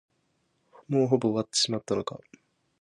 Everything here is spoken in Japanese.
もうほぼ終わってしまったのか。